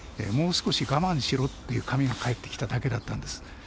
「もう少し我慢しろ」という紙が返ってきただけだったんです。